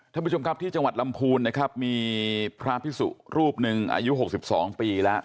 ท่านผู้ชมครับที่จังหวัดลำพูนนะครับมีพระพิสุรูปหนึ่งอายุ๖๒ปีแล้ว